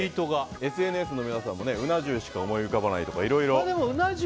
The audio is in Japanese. ＳＮＳの皆さんもうな重しか思い浮かばないとか。